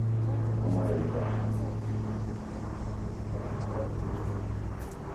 A maja írás megfejtése hosszú és nehéz folyamat eredménye.